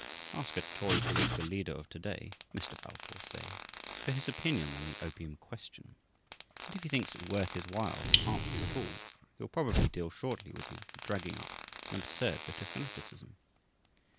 Ask a Tory political leader of to day Mr. Balfour say for his opinion on the opium question, and if he thinks it worth his while to answer you at all he will probably deal shortly with you for dragging up an absurd bit of fanaticism.